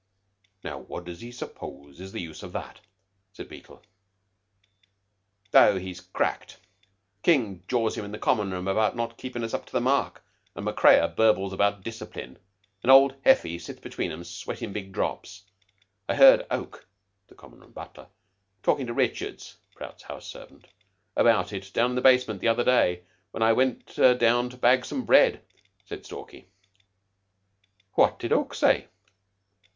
"Now what does he suppose is the use of that?" said Beetle. "Oh, he's cracked. King jaws him in Common room about not keepin' us up to the mark, an' Macrea burbles about 'dithcipline,' an' old Heffy sits between 'em sweatin' big drops. I heard Oke (the Common room butler) talking to Richards (Prout's house servant) about it down in the basement the other day when I went down to bag some bread," said Stalky. "What did Oke say?"